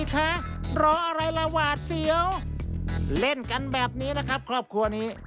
ถ้าเป็นกันแบบนี้นะครับครอบครัวนี้